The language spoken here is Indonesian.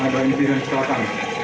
dan kemudian kecelakaan